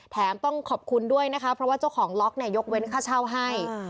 แถมต้องขอบคุณด้วยนะคะเพราะว่าเจ้าของล็อกเนี่ยยกเว้นค่าเช่าให้